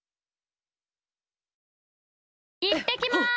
いってきます！